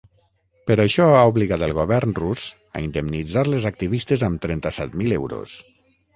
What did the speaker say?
Per això ha obligat el govern rus a indemnitzar les activistes amb trenta-set mil euros.